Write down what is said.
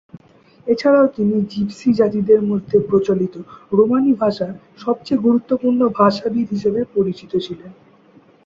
এছাড়াও তিনি জিপসি জাতিদের মধ্যে প্রচলিত রোমানি ভাষার সবচেয়ে গুরুত্বপূর্ণ ভাষাবিদ হিসেবে পরিচিত ছিলেন।